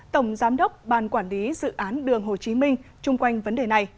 tổng giám đốc ban quản lý dự án đường hồ chí minh chung quanh vấn đề này